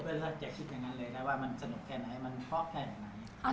ไปแน่นอนพ่อ